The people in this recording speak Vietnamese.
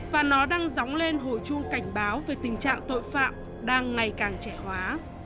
và nó đang dóng lên hồi chuông cảnh báo về tình trạng tội phạm đang ngày càng trẻ hóa